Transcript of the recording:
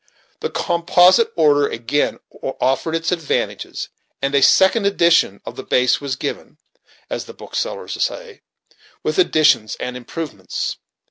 The composite order again offered its advantages, and a second edition of the base was given, as the booksellers say, with additions and improvements.